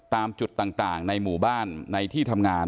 ตามจุดต่างในหมู่บ้านในที่ทำงาน